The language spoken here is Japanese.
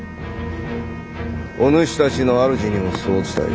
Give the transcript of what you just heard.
お主たちの主にもそう伝えよ。